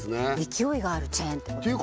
勢いがあるチェーンってことですね